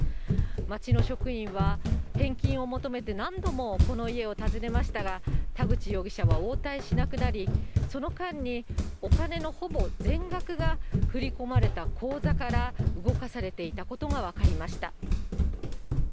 町の職員は、返金を求めて何度もこの家を訪ねましたが、田口容疑者は応対しなくなり、その間に、お金のほぼ全額が振り込まれた口座から動かされていたことが分かりました。